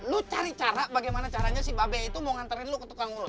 lo cari cara bagaimana caranya si babe itu mau nganterin lo ke tukang urut